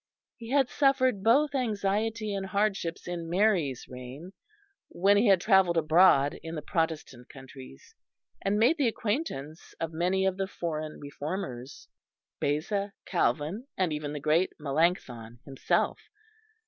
He had suffered both anxiety and hardships in Mary's reign, when he had travelled abroad in the Protestant countries, and made the acquaintance of many of the foreign reformers Beza, Calvin, and even the great Melancthon himself.